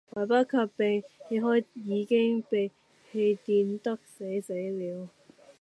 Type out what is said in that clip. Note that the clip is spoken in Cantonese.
來不及避開已經被電得死死了